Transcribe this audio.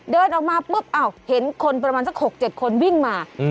เดินออกมาปึ๊บอ่ะเห็นคนประมาณประมาณสัก๖๗คนวิ่งมา